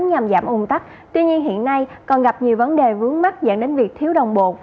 nhằm giảm ung tắc tuy nhiên hiện nay còn gặp nhiều vấn đề vướng mắt dẫn đến việc thiếu đồng bộ